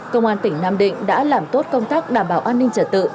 công an tỉnh nam định đã làm tốt công tác đảm bảo an ninh trật tự